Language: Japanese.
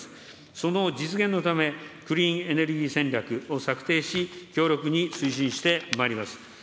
その実現のため、クリーンエネルギー戦略を策定し、強力に推進してまいります。